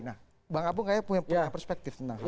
nah bang apung kayaknya punya perspektif tentang hal ini